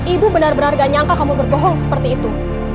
ibu benar benar gak nyangka kamu berbohong seperti itu